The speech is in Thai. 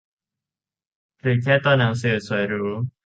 หรือแค่ตัวหนังสือสวยหรู